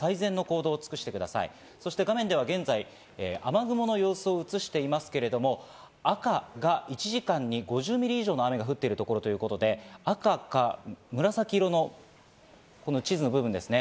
画面では現在雨雲の様子を映していますけれども、赤が１時間に５０ミリ以上の雨が降っているところということで、赤か紫色のこの地図の部分ですね。